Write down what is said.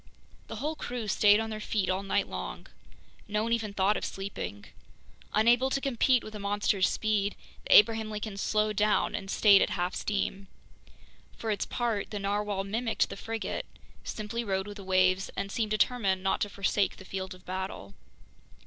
The whole crew stayed on their feet all night long. No one even thought of sleeping. Unable to compete with the monster's speed, the Abraham Lincoln slowed down and stayed at half steam. For its part, the narwhale mimicked the frigate, simply rode with the waves, and seemed determined not to forsake the field of battle.